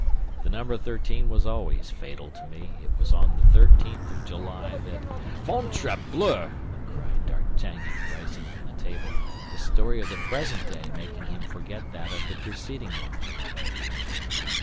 The number thirteen was always fatal to me; it was on the thirteenth of July that—" "Ventrebleu!" cried D'Artagnan, rising from the table, the story of the present day making him forget that of the preceding one.